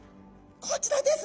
こちらです！